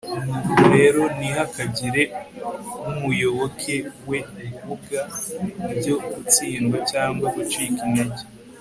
nuko rero, ntihakagire umuyoboke we uvuga ibyo gutsindwa cyangwa gucika integer